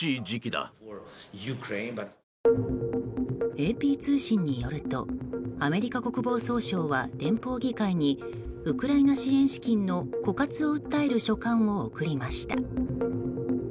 ＡＰ通信によるとアメリカ国防総省は連邦議会にウクライナ支援資金の枯渇を訴える書簡を送りました。